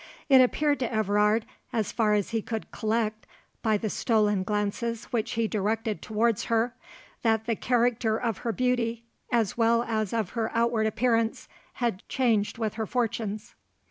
It appeared to Everard, as far as he could collect by the stolen glances which he directed towards her, that the character of her beauty, as well as of her outward appearance, had changed with her fortunes.